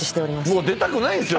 もう出たくないんすよ